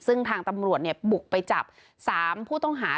ซึ่งทางตำรวจบุกไปจับ๓ผู้ต้องหา